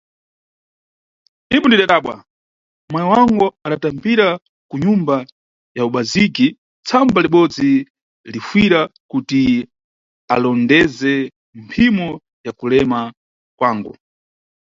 Ipo ndidabadwa, mayi wangu adatambira ku nyumba ya ubaziki tsamba libodzi, lifuyira kuti alondoze mphimo ya kulema kwangu.